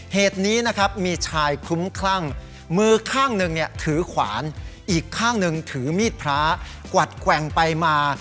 เหตุนี้นะครับมีชายคลุ้มคลั่งมือข้างหนึ่งเนี่ยถือขวานอีกข้างหนึ่งถือมีดพระกวัดแกว่งไปมา